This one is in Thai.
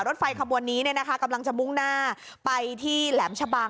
รถไฟขบวนนี้กำลังจะมุ่งหน้าไปที่แหลมชะบัง